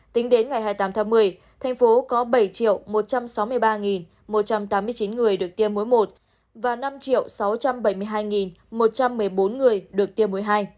tính đến ngày hai mươi tám tháng một mươi thành phố có bảy một trăm sáu mươi ba một trăm tám mươi chín người được tiêm mối một và năm sáu trăm bảy mươi hai một trăm một mươi bốn người được tiêm muối hai